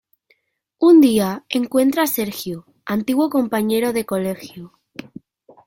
Un día encuentra a Sergio, antiguo compañero de colegio.